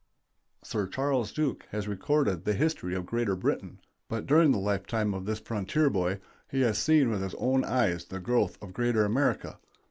Sir Charles Dilke has recorded the history of "Greater Britain," but during the lifetime of this frontier boy he has seen with his own eyes the growth of "Greater America."